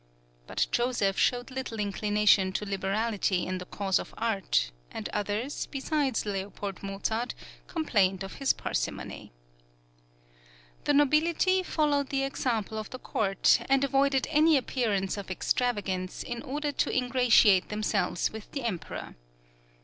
But Joseph showed little inclination to liberality in the cause of art, and others, besides L. Mozart, complained of his parsimony. {THE FIRST OPERA IN VIENNA.} (66) The nobility followed the example of the court, and avoided any appearance of extravagance in order to ingratiate themselves with the Emperor.